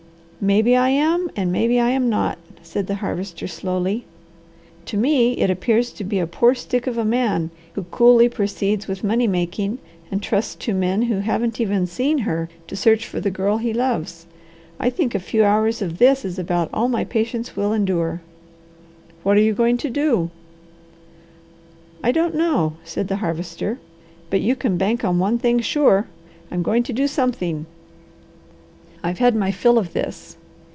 "Maybe I am, and maybe I am not," said the Harvester slowly. "To me it appears to be a poor stick of a man who coolly proceeds with money making, and trusts to men who haven't even seen her to search for the girl he loves. I think a few hours of this is about all my patience will endure." "What are you going to do?" "I don't know," said the Harvester. "But you can bank on one thing sure I'm going to do something! I've had my fill of this.